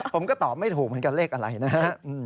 ผมก็ตอบไม่ถูกเหมือนกันเลขอะไรนะฮะ